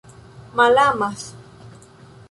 malamas